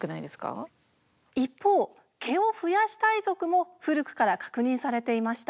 一方毛を増やしたい族も古くから確認されていました。